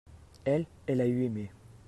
elle, elle a eu aimé.